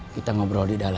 kita ngobrol di dalam